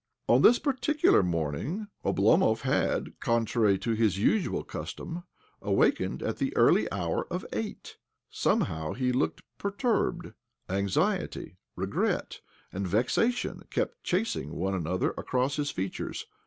On this particular morning Oblomov had (contrary to his usual custom) awakened at the early hour of eight. Somehow he looked perturbed ; anxiety, regret, and vexation kept chasing one another across his features.